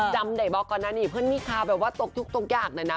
จำได้บอกก่อนนะนี่เพื่อนมีข่าวแบบว่าตกทุกอย่างเลยนะ